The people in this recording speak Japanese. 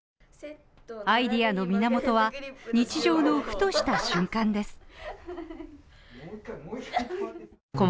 アイデアの源は日常のふとした瞬間です。